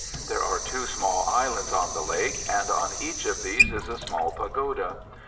There are two small islands on the lake, and on each of these is a small pagoda.